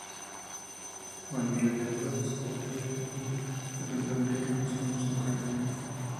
Juan Miguel de Mora descubrió la India durante un viaje en los años cincuenta.